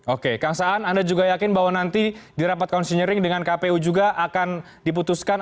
oke kang saan anda juga yakin bahwa nanti di rapat konsinyering dengan kpu juga akan diputuskan